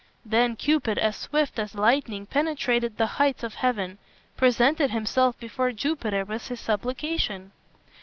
Then Cupid, as swift as lightning penetrating the heights of heaven, presented himself before Jupiter with his supplication.